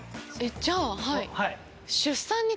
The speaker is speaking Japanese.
じゃあはい。